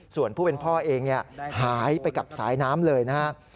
ส่วนผู้เป็นพ่อเองหายไปกับสายน้ำเลยนะครับ